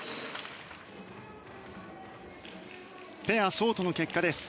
ペアショートの結果です。